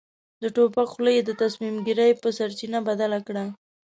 د توپک خوله يې د تصميم ګيرۍ په سرچينه بدله کړه.